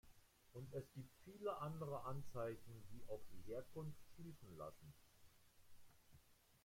Und es gibt viele andere Anzeichen, die auf die Herkunft schließen lassen.